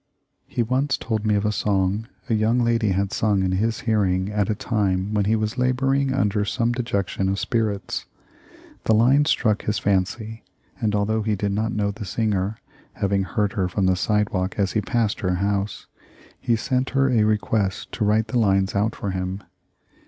He once told me of a song a young lady had sung in his hearing at a time when he was laboring under some dejection of spirits. The lines struck his fancy, and although he did not know the singer — having heard her from the sidewalk as he passed her house — he sent her a request to write the lines out for him.